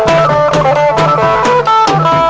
เพื่อรับความรับทราบของคุณ